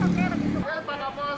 bergantian bergantian berasa keras gitu